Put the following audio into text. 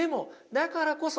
だからこそ。